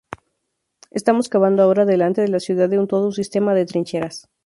Estamos cavando ahora delante de la ciudad todo un sistema de trincheras.